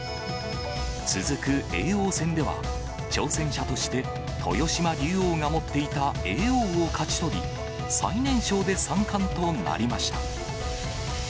続く叡王戦では、挑戦者として豊島竜王が持っていた叡王を勝ち取り、最年少で三冠となりました。